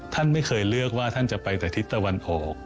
ท่านไม่เคยเลือกว่าท่านจะไปแต่ทิศตะวันออก